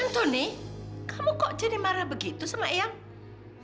antoni kamu kok jadi marah begitu sama ayam